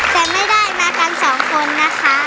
แต่ไม่ได้มากันสองคนนะคะ